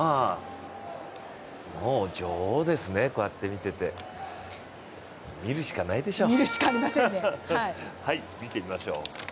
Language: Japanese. もう女王ですね、こうやって見ていて、見るしかないでしょ。